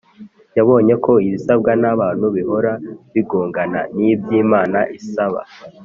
, yabonye ko ibisabwa n’abantu bihora bigongana n’iby’Imana isaba.